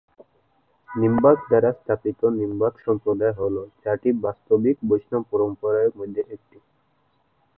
নিম্বার্ক দ্বারা স্থাপিত নিম্বার্ক সম্প্রদায় হল চারটি বাস্তবিক বৈষ্ণব পরম্পরার মধ্যে একটি।